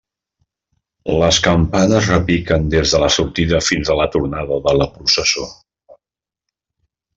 Les campanes repiquen des de la sortida fins a la tornada de la processó.